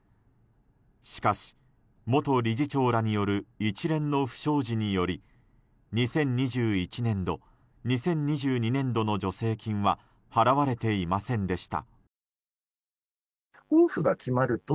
しかし、元理事長らによる一連の不祥事により２０２１年度、２０２２年度の助成金は払われていませんでした。